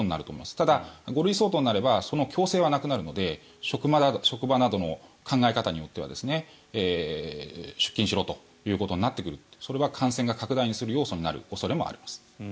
ただ、５類相当になればその強制はなくなるので職場などの考え方によっては出勤しろということになってくるそれは感染が拡大する要素になる恐れもあります。